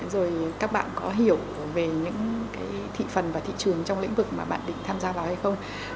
rồi các bạn có hiểu về những cái thị phần và thị trường trong lĩnh vực mà bạn định tham gia đó hay không